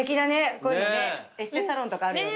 こういうのねエステサロンとかあるよね。